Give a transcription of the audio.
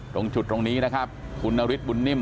ตรงจุดตรงนี้นะครับคุณนฤทธบุญนิ่ม